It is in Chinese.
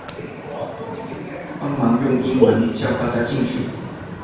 帮忙用英文叫大家进去